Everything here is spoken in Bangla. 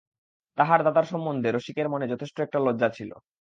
তাহার দাদার সম্বন্ধে রসিকের মনে যথেষ্ট একটা লজ্জা ছিল।